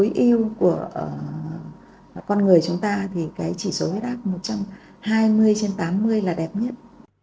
tối yêu của con người chúng ta thì cái chỉ số huyết áp một trăm hai mươi trên tám mươi là đẹp nhất